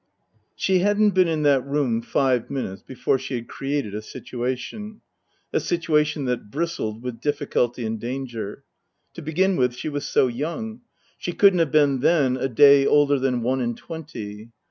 She hadn't been in that room five minutes before she had created a situation ; a situation that bristled with difficulty and danger. To begin with, she was so young. She couldn't have been, then, a day older than one and twenty.